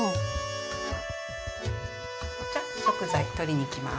じゃ食材取りに行きます。